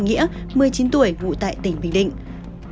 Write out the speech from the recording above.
nghĩa một mươi chín tuổi ngụ tại tỉnh bình định